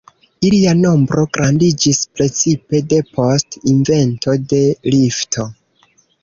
Ilia nombro grandiĝis precipe depost invento de lifto.